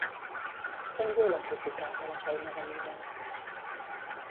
Què en diu la crítica, de la feina de Middel?